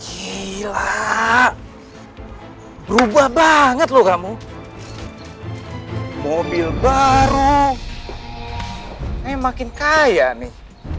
gila rubah banget lo kamu mobil baru makin kaya nih